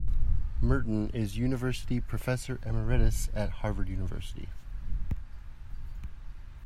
Merton is University Professor Emeritus at Harvard University.